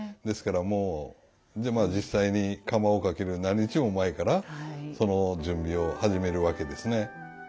ですからもう実際に釜をかける何日も前からその準備を始めるわけですね。